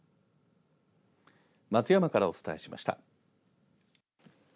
松山からお伝えしました。